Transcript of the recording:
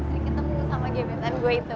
ketemu sama gebetan gue itu